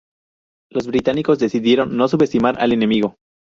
Los británicos decidieron no subestimar al enemigo.